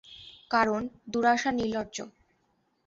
কারণ, দুরাশা নির্লজ্জ।